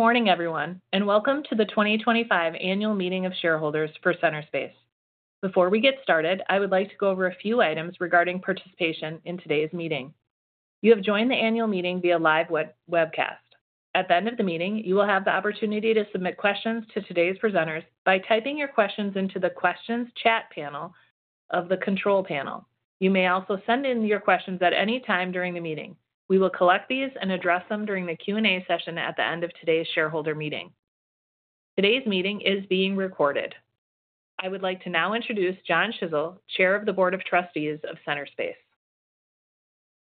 Good morning, everyone, and welcome to the 2025 Annual Meeting of Shareholders for Centerspace. Before we get started, I would like to go over a few items regarding participation in today's meeting. You have joined the annual meeting via live webcast. At the end of the meeting, you will have the opportunity to submit questions to today's presenters by typing your questions into the Questions chat panel of the Control Panel. You may also send in your questions at any time during the meeting. We will collect these and address them during the Q&A session at the end of today's shareholder meeting. Today's meeting is being recorded. I would like to now introduce John Schissel, Chair of the Board of Trustees of Centerspace.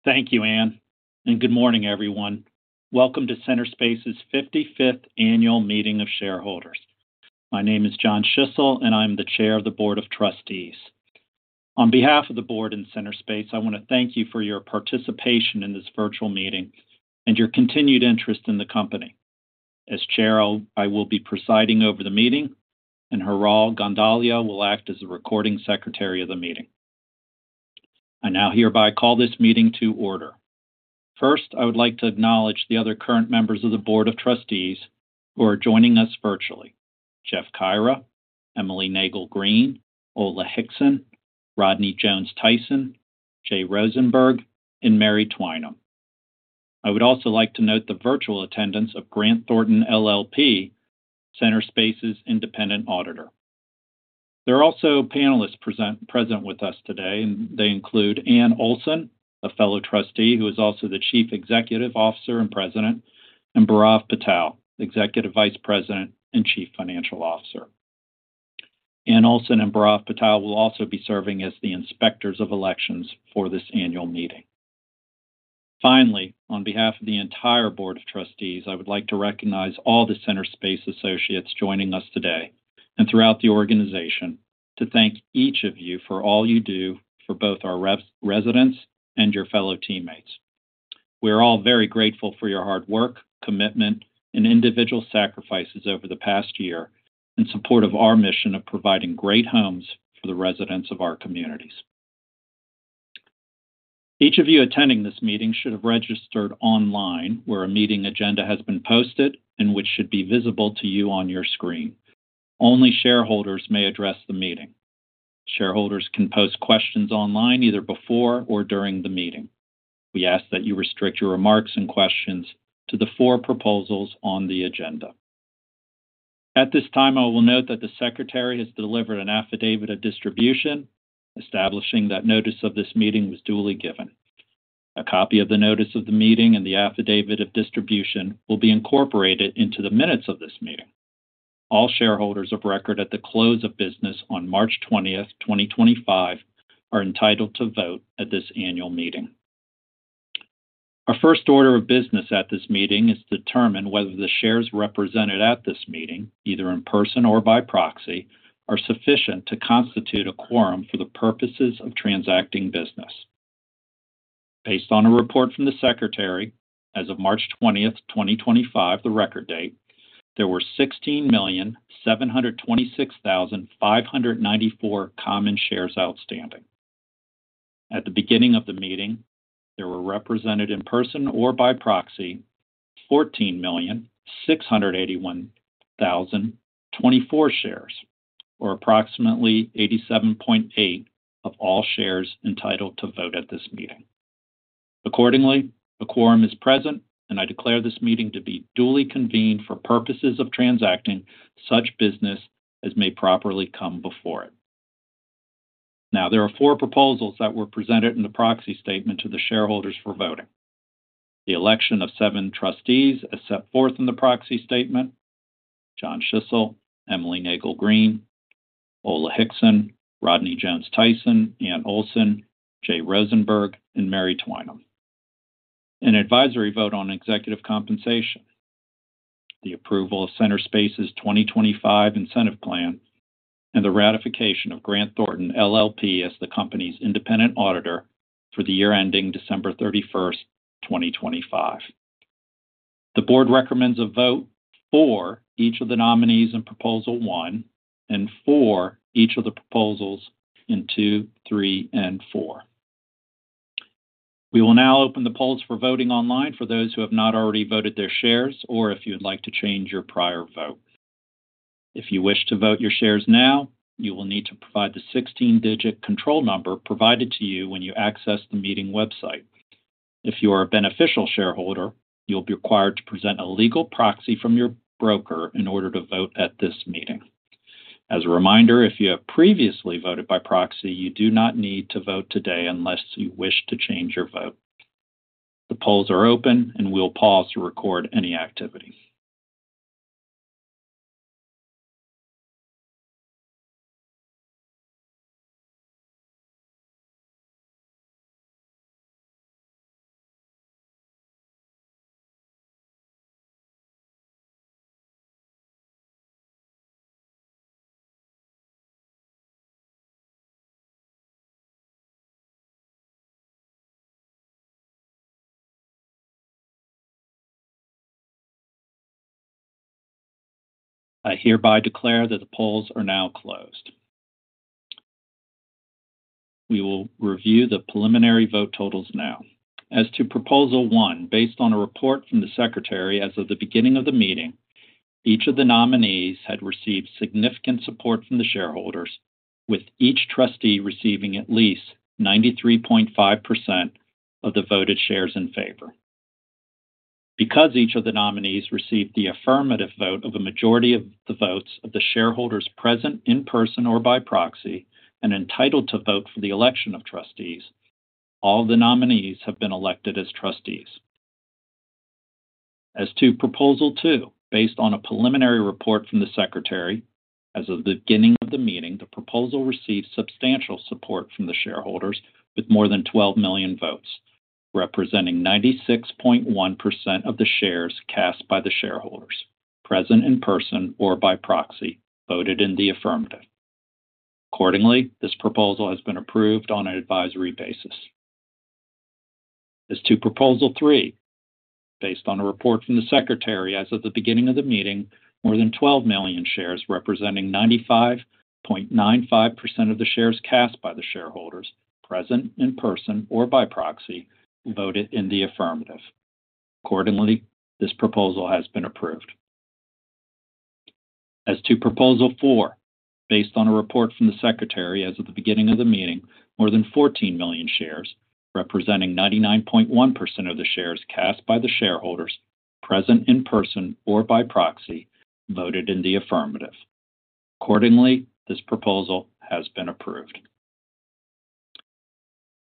Thank you, Anne, and good morning, everyone. Welcome to Centerspace's 55th Annual Meeting of Shareholders. My name is John Schissel, and I'm the Chair of the Board of Trustees. On behalf of the board and Centerspace, I want to thank you for your participation in this virtual meeting and your continued interest in the company. As Chair, I will be presiding over the meeting, and Heeral Gondalia will act as the Recording Secretary of the meeting. I now hereby call this meeting to order. First, I would like to acknowledge the other current members of the Board of Trustees who are joining us virtually: Jeff Caira, Emily Nagle Green, Ola Hixon, Rodney Jones-Tyson, Jay Rosenberg, and Mary Twinem. I would also like to note the virtual attendance of Grant Thornton LLP, Centerspace's independent auditor. There are also panelists present with us today, and they include Anne Olson, a fellow trustee who is also the Chief Executive Officer and President, and Bhairav Patel, Executive Vice President and Chief Financial Officer. Anne Olson and Bhairav Patel will also be serving as the inspectors of elections for this annual meeting. Finally, on behalf of the entire Board of Trustees, I would like to recognize all the Centerspace associates joining us today and throughout the organization to thank each of you for all you do for both our residents and your fellow teammates. We are all very grateful for your hard work, commitment, and individual sacrifices over the past year in support of our mission of providing great homes for the residents of our communities. Each of you attending this meeting should have registered online where a meeting agenda has been posted and which should be visible to you on your screen. Only shareholders may address the meeting. Shareholders can post questions online either before or during the meeting. We ask that you restrict your remarks and questions to the four proposals on the agenda. At this time, I will note that the Secretary has delivered an affidavit of distribution establishing that notice of this meeting was duly given. A copy of the notice of the meeting and the affidavit of distribution will be incorporated into the minutes of this meeting. All shareholders of record at the close of business on March 20th, 2025, are entitled to vote at this annual meeting. Our first order of business at this meeting is to determine whether the shares represented at this meeting, either in person or by proxy, are sufficient to constitute a quorum for the purposes of transacting business. Based on a report from the Secretary, as of March 20th, 2025, the record date, there were 16,726,594 common shares outstanding. At the beginning of the meeting, there were represented in person or by proxy 14,681,024 shares, or approximately 87.8% of all shares entitled to vote at this meeting. Accordingly, a quorum is present, and I declare this meeting to be duly convened for purposes of transacting such business as may properly come before it. Now, there are four proposals that were presented in the proxy statement to the shareholders for voting. The election of seven trustees as set forth in the proxy statement: John Schissel, Emily Nagle Green, Ola Hixon, Rodney Jones-Tyson, Anne Olson, Jay Rosenberg, and Mary Twinem. An advisory vote on executive compensation, the approval of Centerspace's 2025 Incentive Plan, and the ratification of Grant Thornton, LLP, as the company's independent auditor for the year ending December 31, 2025. The board recommends a vote for each of the nominees in proposal one and for each of the proposals in two, three, and four. We will now open the polls for voting online for those who have not already voted their shares or if you would like to change your prior vote. If you wish to vote your shares now, you will need to provide the 16-digit control number provided to you when you access the meeting website. If you are a beneficial shareholder, you'll be required to present a legal proxy from your broker in order to vote at this meeting. As a reminder, if you have previously voted by proxy, you do not need to vote today unless you wish to change your vote. The polls are open, and we'll pause to record any activity. I hereby declare that the polls are now closed. We will review the preliminary vote totals now. As to proposal one, based on a report from the Secretary as of the beginning of the meeting, each of the nominees had received significant support from the shareholders, with each trustee receiving at least 93.5% of the voted shares in favor. Because each of the nominees received the affirmative vote of a majority of the votes of the shareholders present in person or by proxy and entitled to vote for the election of trustees, all the nominees have been elected as trustees. As to proposal two, based on a preliminary report from the Secretary, as of the beginning of the meeting, the proposal received substantial support from the shareholders with more than 12 million votes, representing 96.1% of the shares cast by the shareholders present in person or by proxy voted in the affirmative. Accordingly, this proposal has been approved on an advisory basis. As to proposal three, based on a report from the Secretary as of the beginning of the meeting, more than 12 million shares representing 95.95% of the shares cast by the shareholders present in person or by proxy voted in the affirmative. Accordingly, this proposal has been approved. As to proposal four, based on a report from the Secretary as of the beginning of the meeting, more than 14 million shares representing 99.1% of the shares cast by the shareholders present in person or by proxy voted in the affirmative. Accordingly, this proposal has been approved.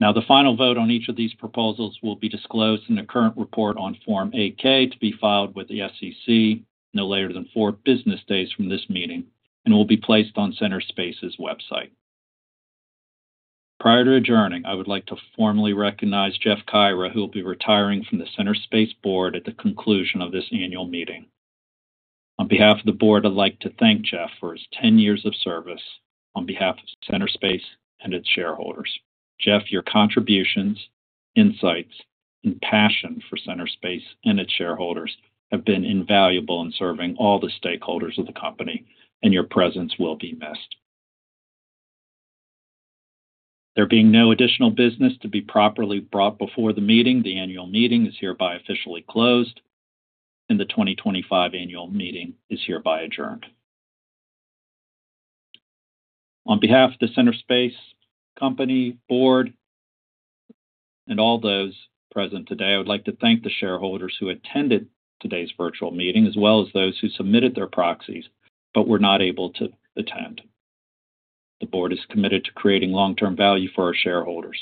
Now, the final vote on each of these proposals will be disclosed in the current report on Form 8-K to be filed with the SEC no later than four business days from this meeting and will be placed on Centerspace's website. Prior to adjourning, I would like to formally recognize Jeff Caira, who will be retiring from the Centerspace board at the conclusion of this annual meeting. On behalf of the board, I'd like to thank Jeff for his 10 years of service on behalf of Centerspace and its shareholders. Jeff, your contributions, insights, and passion for Centerspace and its shareholders have been invaluable in serving all the stakeholders of the company, and your presence will be missed. There being no additional business to be properly brought before the meeting, the annual meeting is hereby officially closed, and the 2025 annual meeting is hereby adjourned. On behalf of the Centerspace company, board, and all those present today, I would like to thank the shareholders who attended today's virtual meeting as well as those who submitted their proxies but were not able to attend. The board is committed to creating long-term value for our shareholders,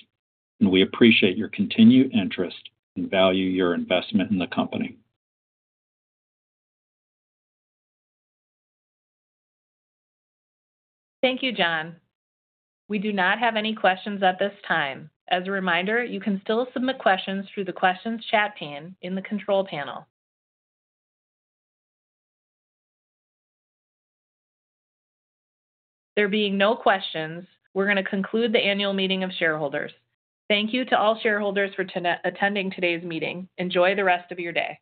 and we appreciate your continued interest and value your investment in the company. Thank you, John. We do not have any questions at this time. As a reminder, you can still submit questions through the Questions chat pane in the Control Panel. There being no questions, we're going to conclude the annual meeting of shareholders. Thank you to all shareholders for attending today's meeting. Enjoy the rest of your day.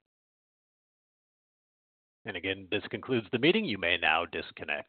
This concludes the meeting. You may now disconnect.